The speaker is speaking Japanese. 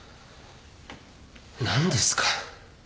何ですか？